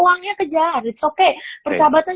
uangnya kejar it's oke persahabatan